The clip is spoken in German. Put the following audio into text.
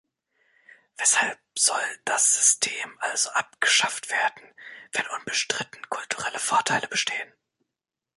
Weshalb soll das System also abgeschafft werden, wenn unbestritten kulturelle Vorteile bestehen?